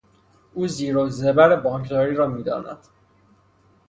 او زیر و زبر بانکداری را میداند.